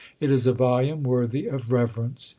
It is a volume worthy of reverence.